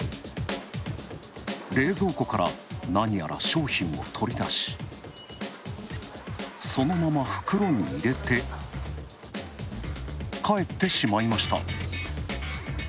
冷蔵庫から何やら商品を取り出し、そのまま袋に入れて帰ってしまいました。